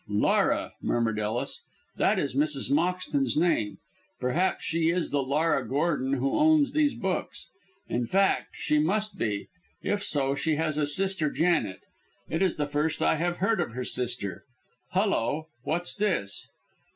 "Laura!" murmured Ellis. "That is Mrs. Moxton's name. Perhaps she is the Laura Gordon who owns these books. In fact, she must be. If so, she has a sister Janet; it is the first I have heard of her sister. Hullo, what's this?"